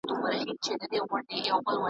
چې حقیقت ګډوډ شي